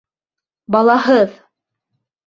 Балаһыҙ!